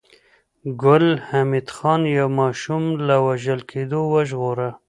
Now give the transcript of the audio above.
ګل حمید خان يو ماشوم له وژل کېدو وژغوره